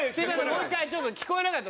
もう１回ちょっと聞こえなかった。